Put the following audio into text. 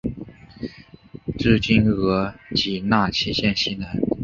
治今额济纳旗西南。